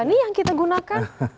ini yang kita gunakan